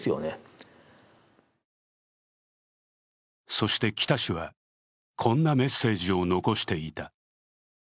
そして北氏はこんなメッセージを残していた。